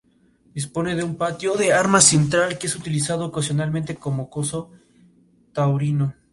Dispone de un patio de armas central, que es utilizado ocasionalmente como coso taurino.